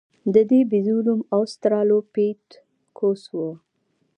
د دې بیزو نوم اوسترالوپیتکوس و.